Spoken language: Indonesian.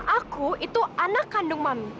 aku itu anak kandung mami